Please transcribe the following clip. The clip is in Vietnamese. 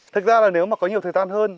thực ra là nếu mà có nhiều thời gian hơn